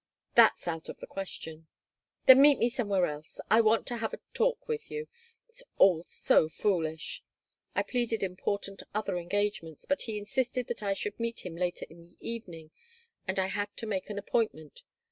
"That's out of the question." "Then meet me somewhere else. I want to have a talk with you. It's all so foolish." I pleaded important other engagements, but he insisted that I should meet him later in the evening, and I had to make the appointment.